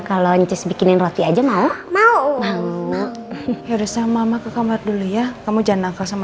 kalau nyes bikinin roti aja mau mau mau ya udah sama ke kamar dulu ya kamu jangan angka sama